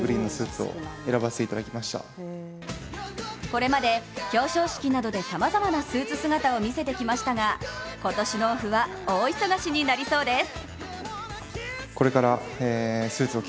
これまで表彰式などでさまざまなスーツ姿を見せてきましたが今年のオフは大忙しになりそうです。